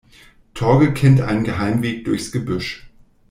Torge kennt einen Geheimweg durchs Gebüsch.